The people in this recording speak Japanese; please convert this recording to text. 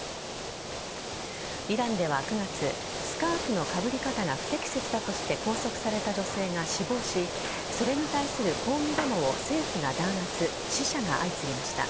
イランでは９月スカーフのかぶり方が不適切だとして拘束された女性が死亡しそれに対する抗議デモを政府が弾圧死者が相次ぎました。